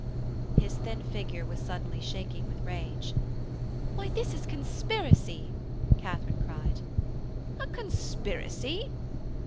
His thin figure was suddenly shaking with rage. 'Why, this is conspiracy!' Katharine cried. 'A conspiracy!'